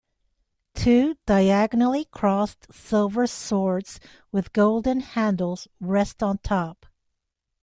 Two diagonally-crossed silver swords with golden handles rest on top.